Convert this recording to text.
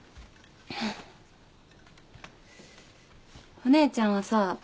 お姉ちゃんはさ